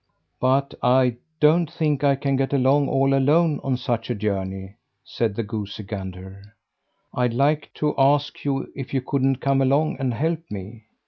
"But I don't think I can get along all alone on such a journey," said the goosey gander. "I'd like to ask if you couldn't come along and help me?"